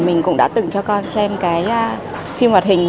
mình cũng đã tự cho con xem cái phim hoạt hình